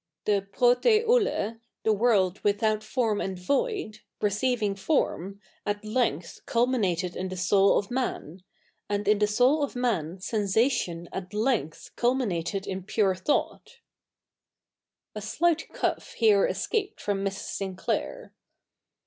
The TrpwTr] vXtj, the world'"'' without fortn and void^'' receiving form, at length culminated in the soul of inati ; and i7i the soul of man seiisation at length cul??ii?iated ifi pure thought,^ A slight cough here escaped from Mrs. Sinclair.